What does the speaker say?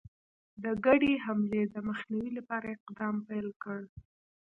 د ګډي حملې د مخنیوي لپاره اقدام پیل کړ.